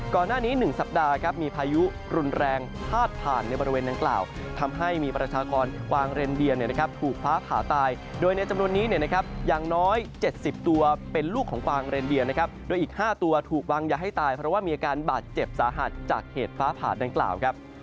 ก่อนหน้านี้๑สัปดาห์ครับมีพายุรุนแรงภาษาผ่านในบริเวณต่างกล่าว